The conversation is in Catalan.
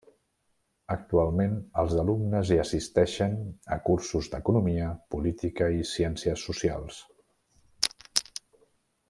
Actualment els alumnes hi assisteixen a cursos d'economia, política i ciències socials.